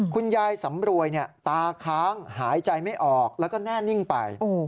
คุณยายสำรวยตาค้างหายใจไม่ออกแล้วก็แน่นิ่งไป